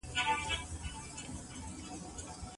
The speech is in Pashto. ړوند سړی به له ږیري سره بې ډاره اتڼ ونه کړي.